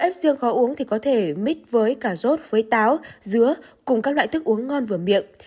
ép riêng có uống thì có thể mix với cà rốt với táo dứa cùng các loại thức uống ngon vừa miệng